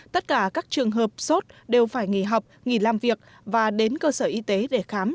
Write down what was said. tất cả các trường hợp sốt đều phải nghỉ học nghỉ làm việc và đến cơ sở y tế để khám